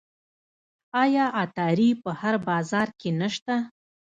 آیا عطاري په هر بازار کې نشته؟